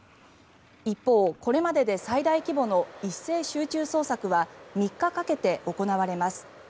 一方、これまでで最大規模の一斉集中捜索は３日かけて行われます。